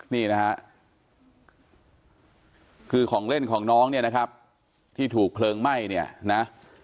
นี่นะฮะคือของเล่นของน้องเนี่ยนะครับที่ถูกเพลิงไหม้เนี่ยนะ